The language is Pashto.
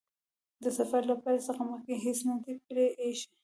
د سفر له پیل څخه مخکې هیڅ نه دي پرې ايښي.